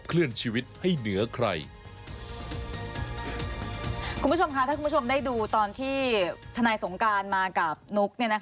คุณผู้ชมคะถ้าคุณผู้ชมได้ดูตอนที่ทนายสงการมากับนุ๊ก